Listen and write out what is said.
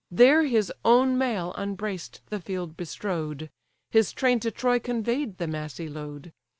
There his own mail unbraced the field bestrow'd; His train to Troy convey'd the massy load.